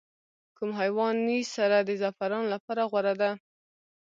کوم حیواني سره د زعفرانو لپاره غوره ده؟